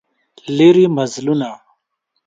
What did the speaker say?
لیري مزلونه